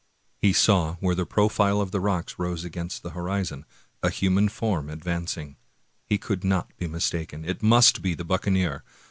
He saw, where the profile of the rocks rose against the horizon, a human form advancing. He could not be mistaken; it must be the buccaneer.